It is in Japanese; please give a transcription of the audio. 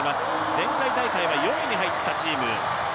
前回大会は４位に入ったチーム。